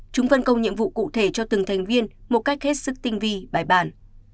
chúng phân công nhiệm vụ cụ thể cho từng thành viên một cách hết sức tinh vi bài bản